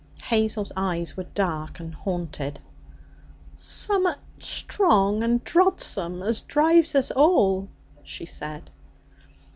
Hazel's eyes were dark and haunted. 'Summat strong and drodsome, as drives us all,' she said.